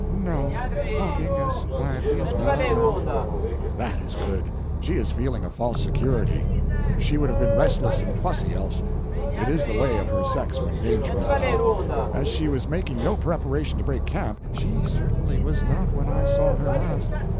"No, talking as quietly as we are now." "That is good. She is feeling a false security. She would have been restless and fussy else—it is the way of her sex when danger is about. As she was making no preparation to break camp—" "She certainly was not when I saw her last."